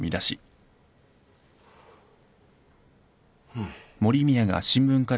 うん。